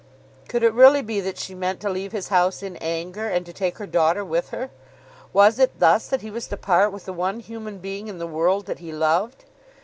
Could it really be that she meant to leave his house in anger and to take her daughter with her? Was it thus that he was to part with the one human being in the world that he loved?